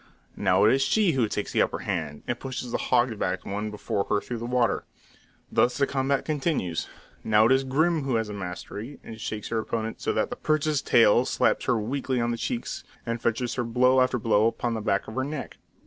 Now it is she who takes the upper hand, and pushes the hog backed one before her through the water. Thus the combat continues. Now it is Grim who has the mastery, and shakes her opponent so that the perch's tail slaps her weakly on the cheeks, and fetches her blow after blow upon the back of her neck.